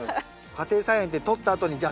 家庭菜園でとったあとにじゃあ